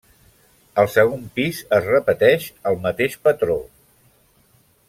Al segon pis es repeteix el mateix patró.